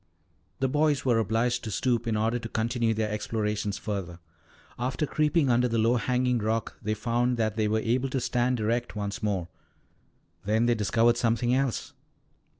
The boys were obliged to stoop in order to continue their explorations further. After creeping under the low hanging rock they found that they were able to stand erect once more. Then they discovered something else.